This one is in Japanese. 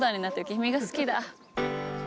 「君が好きだ」。